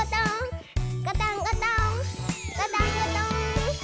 ガタンゴトーンガタンゴトーン。